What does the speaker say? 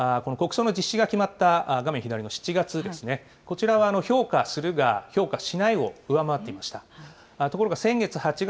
ＮＨＫの世論調査ですが、この国葬の実施が決まった、画面左の７月ですね、こちらは評価するが評価しないを上回っていました。